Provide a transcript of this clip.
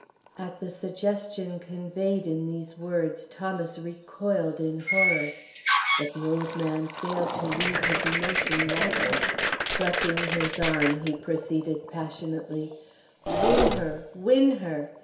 _" At the suggestion conveyed in these words Thomas recoiled in horror. But the old man failed to read his emotion rightly. Clutching his arm, he proceeded passionately: "Woo her! Win her!